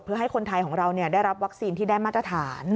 เพื่อให้คนไทยของเราได้รับวัคซีนที่ได้มาตรฐาน